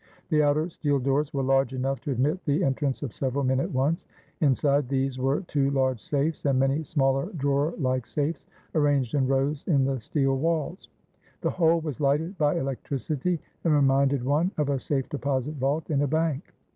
The outer steel doors were large enough to admit the en trance of several men at once. Inside these were two large safes and many smaller drawer like safes, arranged in rows in the steel walls. The whole was lighted by electricity and reminded one of a safe deposit vault in a bank.